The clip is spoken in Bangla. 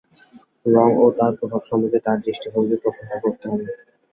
রঙ ও তার প্রভাব সম্বন্ধে তাঁর দৃষ্টিভঙ্গির প্রশংসা করতে হয়।